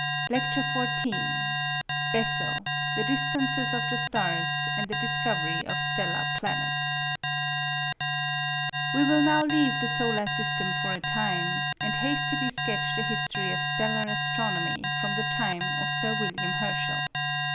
LECTURE XIV BESSEL THE DISTANCES OF THE STARS, AND THE DISCOVERY OF STELLAR PLANETS We will now leave the solar system for a time, and hastily sketch the history of stellar astronomy from the time of Sir William Herschel.